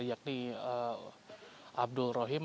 yakni abdul rohim